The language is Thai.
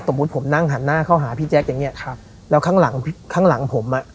ผมนั่งหันหน้าเข้าหาพี่แจ๊คอย่างเงี้ครับแล้วข้างหลังข้างหลังผมอ่ะ